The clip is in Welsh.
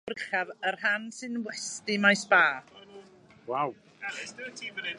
Ar ddau lawr uchaf y rhan sy'n westy mae sba.